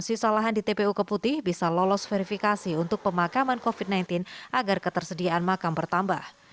sisa lahan di tpu keputi bisa lolos verifikasi untuk pemakaman covid sembilan belas agar ketersediaan makam bertambah